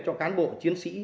cho cán bộ chiến sĩ